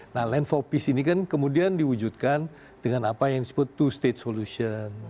nah land for peace ini kan kemudian diwujudkan dengan apa yang disebut two state solution